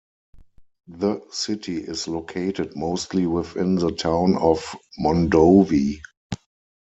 The city is located mostly within the Town of Mondovi.